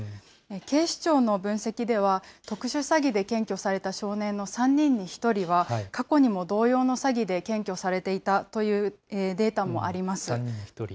警視庁の分析では、特殊詐欺で検挙された少年の３人に１人は、過去にも同様の詐欺で検挙されていたというデータもあります。